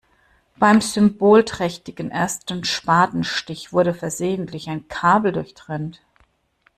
Beim symbolträchtigen ersten Spatenstich wurde versehentlich ein Kabel durchtrennt.